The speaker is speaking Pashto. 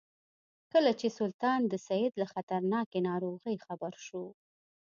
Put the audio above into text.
کله چې سلطان د سید له خطرناکې ناروغۍ خبر شو.